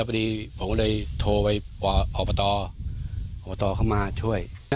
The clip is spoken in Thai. ปรบทริปเข้ามาช่วย